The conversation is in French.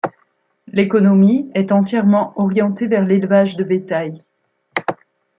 L'économie est entièrement orientée vers l'élevage de bétail.